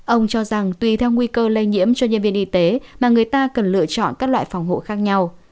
ông cho rằng tùy theo nguy cơ lây nhiễm cho nhân viên y tế mà người ta cần lựa chọn các loại phòng hộ khác nhau